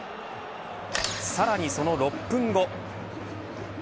さらにその６分後。